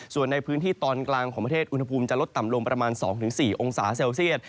ส่วนในพื้นที่ตอนกลางของประเทศอุณหภูมิจะลดต่ำลงประมาณ๒๔องศาเซลเซียต